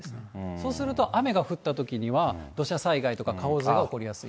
そうすると雨が降ったときには、土砂災害とか洪水が起こりやすい。